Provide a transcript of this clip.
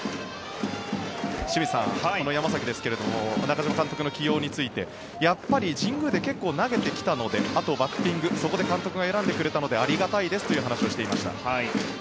清水さん、この山崎ですが中嶋監督の起用についてやっぱり神宮で結構投げてきたのであとバッティングそこで監督が選んでくれたのでありがたいですという話をしていました。